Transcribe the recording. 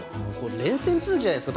連戦続きじゃないですか。